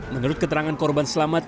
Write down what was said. menurut keterangan korban selamat